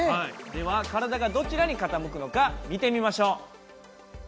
では体がどちらに傾くのか見てみましょう。